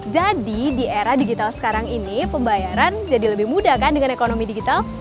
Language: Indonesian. jadi di era digital sekarang ini pembayaran jadi lebih mudah kan dengan ekonomi digital